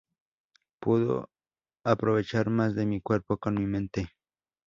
Puedo aprovechar más de mi cuerpo con mi mente.